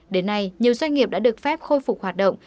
đến nay nhiều doanh nghiệp đã được phép khôi phục hoạt động